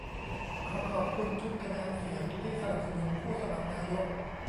ขอขอบคุณทุกคะแนนเสียงที่สนับสนุนผู้สมัครนายก